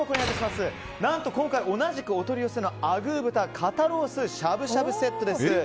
何と今回同じくお取り寄せのあぐー豚肩ロースしゃぶしゃぶセットです。